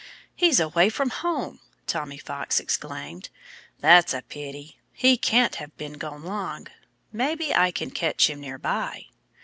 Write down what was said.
"He's away from home!" Tommy exclaimed. "That's a pity. He can't have been gone long. Maybe I can catch him near by."